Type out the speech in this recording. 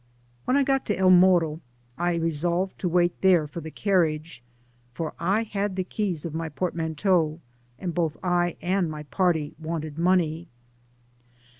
When I got to £1 Morro I resolved to wait there for the carriage, for I had the keys of my portman teau, and both I and my party wanted money.